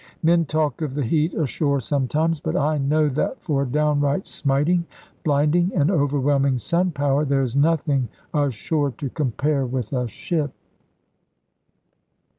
Men talk of the heat ashore sometimes; but I know that for downright smiting, blinding, and overwhelming sun power, there is nothing ashore to compare with a ship.